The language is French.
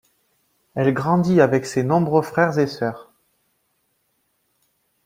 Elle grandit avec ses nombreux frères et sœurs.